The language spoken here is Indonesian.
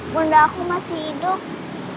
bunda aku masih hidup